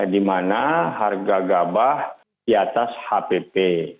dimana harga gabah diatas hpp